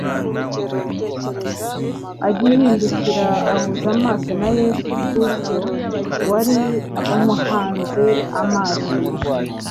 agihindukira ahuza amaso na Yesu Kristo wari umuhanze amaso.